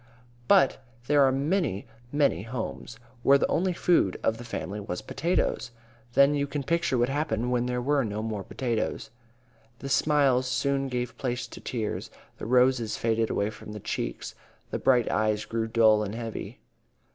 But there were many many homes where the only food of the family was potatoes. Then you can picture what happened when there were no more potatoes. The smiles soon gave place to tears. The roses faded away from the cheeks. The bright eyes grew dull and heavy.